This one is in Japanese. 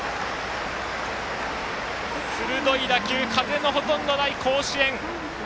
鋭い打球風のほとんどない甲子園。